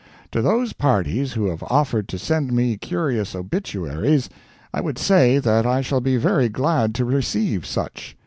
To those parties who have offered to send me curious obituaries, I would say that I shall be very glad to receive such.